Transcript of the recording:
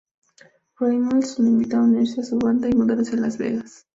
Reynolds lo invitó a unirse a su banda y mudarse a Las Vegas.